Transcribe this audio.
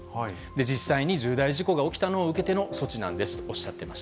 実際に重大事故が起きたことを受けての措置なんですとおっしゃっ